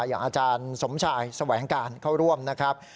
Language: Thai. อย่างอาจารย์สมชายแสวงการเข้าร่วมนะครับ